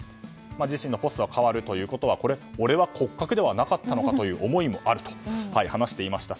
自身のポストは変わるということは俺は骨格ではなかったのかという思いもあると話していました。